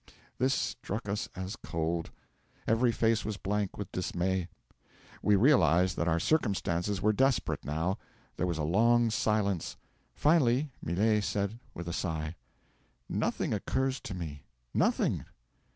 'This struck us as cold. Every face was blank with dismay. We realised that our circumstances were desperate, now. There was a long silence. Finally, Millet said with a sigh: '"Nothing occurs to me nothing.